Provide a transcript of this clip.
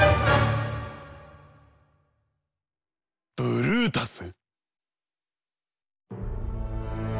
ブルータス！